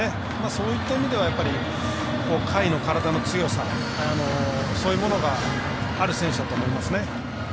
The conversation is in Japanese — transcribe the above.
そういった意味では甲斐の体の強さ、そういうものがある選手だと思いますね。